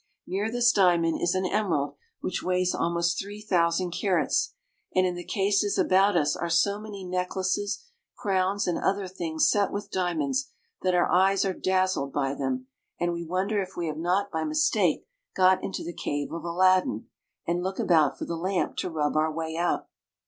Near this diamond is an emerald which weighs almost three thousand carats, and in the cases about us are so many necklaces, crowns, and other things set with diamonds, that our eyes are dazzled by them, and we wonder if we have not by mistake got into the cave of Aladdin, and look about for the lamp to rub our way out.